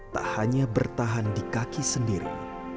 tak hanya bertahan di kaki sendiri